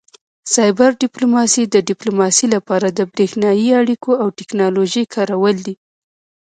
سایبر ډیپلوماسي د ډیپلوماسي لپاره د بریښنایي اړیکو او ټیکنالوژۍ کارول دي